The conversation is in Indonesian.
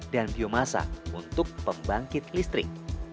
dan biomasa untuk pembangkit listrik